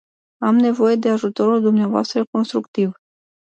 Am nevoie de ajutorul dumneavoastră constructiv.